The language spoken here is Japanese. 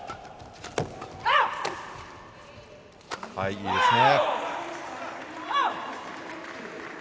いいですね。